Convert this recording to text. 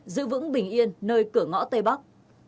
giữ vững bình yên nơi cửa ngõ tây bắc